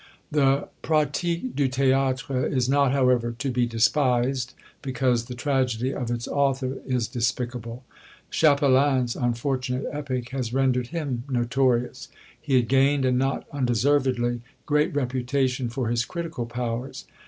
The Pratique du Théâtre is not, however, to be despised, because the Tragedy of its author is despicable. Chapelain's unfortunate epic has rendered him notorious. He had gained, and not undeservedly, great reputation for his critical powers.